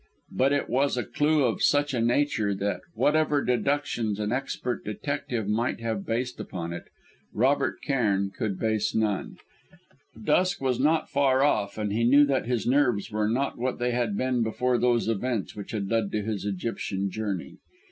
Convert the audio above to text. But it was a clue of such a nature that, whatever deductions an expert detective might have based upon it, Robert Cairn could base none. Dusk was not far off, and he knew that his nerves were not what they had been before those events which had led to his Egyptian journey.